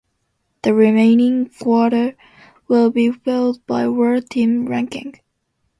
The remaining quota will be filled by World Team Ranking.